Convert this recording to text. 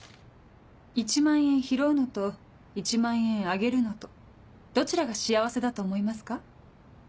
１万円拾うのと１万円あげるのとどちらが幸せだと思いますか？